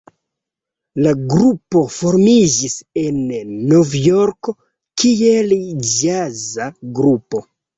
La grupo formiĝis en Novjorko kiel ĵaza grupo.